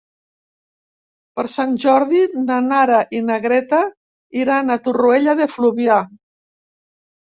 Per Sant Jordi na Nara i na Greta iran a Torroella de Fluvià.